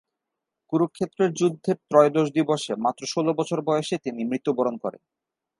কুরুক্ষেত্রের যুদ্ধের ত্রয়োদশ দিবসে মাত্র ষোলো বছর বয়সে তিনি মৃত্যুবরণ করেন।